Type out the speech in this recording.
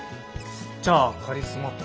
じゃあカリスマと。